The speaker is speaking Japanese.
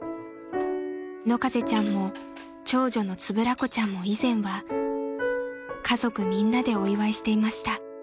［野風ちゃんも長女の円子ちゃんも以前は家族みんなでお祝いしていました］